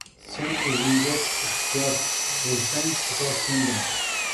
• Sen o‘zingga ehtiyot bo‘lsang, Xudo sen bilan.